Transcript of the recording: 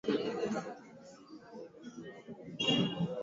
suluhisho kujitolea kisiasa na kuongeza ufadhili